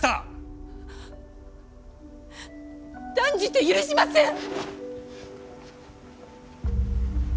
断じて許しません！